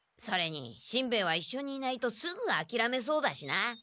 それにしんべヱはいっしょにいないとすぐあきらめそうだしな。